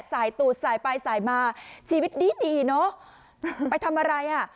ตูดสายไปสายมาชีวิตดีดีเนอะไปทำอะไรอ่ะ